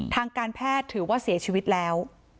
ทางการแพทย์ถือว่าเสียชีวิตแล้ว